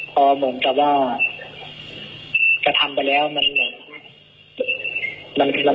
ก็เหมือนกับว่ากระทำไปแล้วมันหลุดไปแล้วครับ